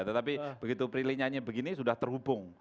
tetapi begitu prilly nyanyi begini sudah terhubung